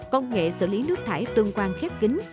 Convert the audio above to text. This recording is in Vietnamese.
công nghệ xử lý nước thải tương quan khép kính